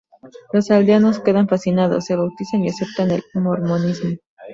Los aldeanos quedan fascinados, se bautizan y aceptan el mormonismo.